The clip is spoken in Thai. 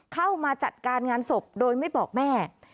เข้ามาจัดการงานศพโดยไม่บอกแม่